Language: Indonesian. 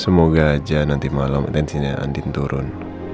semoga aja nanti malam intensinya andin turun